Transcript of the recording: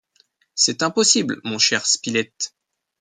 C’est impossible, mon cher Spilett